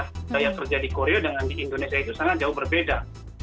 budaya kerja di korea dengan di indonesia itu sangat jauh berbeda